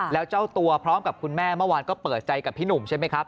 แล้วเจ้าตัวพร้อมกับคุณแม่เมื่อวานก็เปิดใจกับพี่หนุ่มใช่ไหมครับ